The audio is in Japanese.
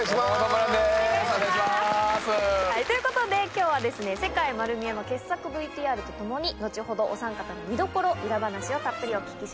今日は『世界まる見え！』の傑作ＶＴＲとともに後ほどおさん方に見どころ裏話をたっぷりお聞きします。